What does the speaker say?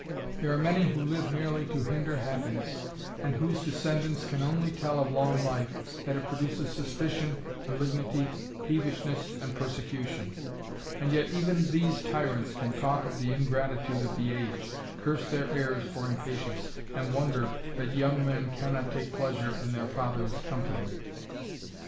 There are many who live merely '" binder happiness, and whose descendants can only ^ of bng life, that it produces suspicion, raaliguity 74 THE RAMBLER, peevishness, and persecution : and yet even these tyrants can talk of the ingratitude of the age, curse their heirs for impatience, and wonder that young men cannot take pleasure in their father's company.